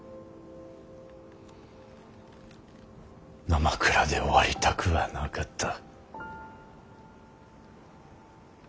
なまくらで終わりたくはなかった。